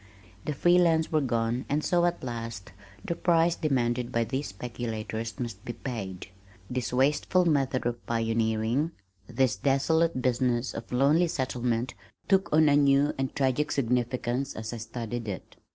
The free lands were gone and so, at last, the price demanded by these speculators must be paid. This wasteful method of pioneering, this desolate business of lonely settlement took on a new and tragic significance as I studied it.